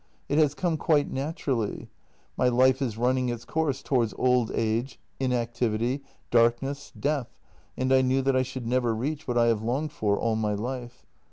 It has come quite naturally. My life is running its course towards old age, inactivity, darkness, death, and I knew that I should never reach what I have longed for all my life.